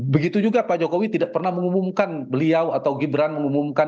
begitu juga pak jokowi tidak pernah mengumumkan beliau atau gibran mengumumkan